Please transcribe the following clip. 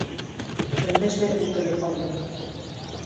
Өндәшмәй ултырып алдыҡ.